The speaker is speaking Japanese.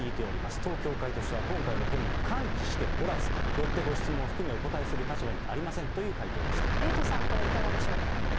当教会としては今回の件に関知しておらず、よってご質問含め、お答えする立場にありませんというエイトさん、これいかがでし